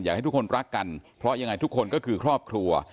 ให้ทุกคนรักกันเพราะยังไงทุกคนก็คือครอบครัว